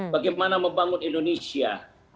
bagaimana membangun indonesia